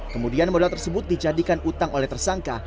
kemudian modal tersebut dijadikan utang oleh tersangka